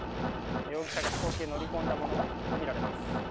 容疑者が飛行機へ乗り込んだものとみられます。